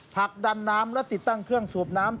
ผลักดันน้ำและติดตั้งเครื่องสูบน้ำ